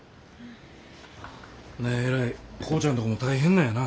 何やえらい浩ちゃんとこも大変なんやな。